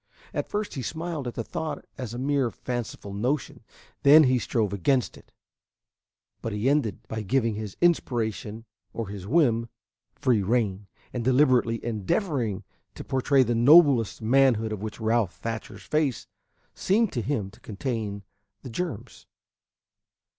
At first he smiled at the thought as a mere fanciful notion; then he strove against it; but he ended by giving his inspiration, or his whim, free rein, and deliberately endeavoring to portray the noblest manhood of which Ralph Thatcher's face seemed to him to contain the germs.